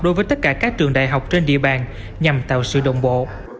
đối với tất cả các trường đại học trên địa bàn nhằm tạo sự đồng bộ